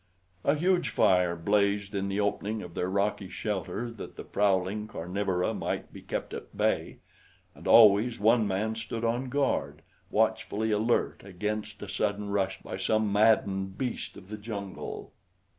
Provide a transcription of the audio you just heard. A huge fire blazed in the opening of their rocky shelter that the prowling carnivora might be kept at bay; and always one man stood on guard, watchfully alert against a sudden rush by some maddened beast of the jungle.